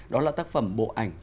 đó là tác phẩm bộ ảnh